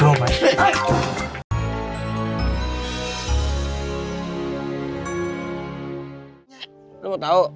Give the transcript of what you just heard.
lo mau tau